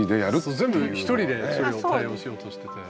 全部一人でそれを対応しようとしてて。